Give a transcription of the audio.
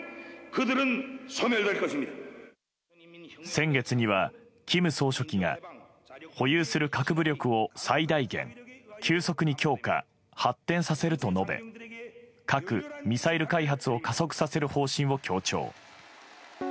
先月には金総書記が保有する核武力を急速に強化・発展させると述べ核・ミサイル開発を加速させる方針を強調。